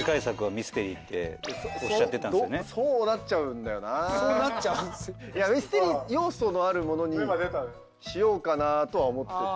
ミステリー要素のあるものにしようかなとは思ってて。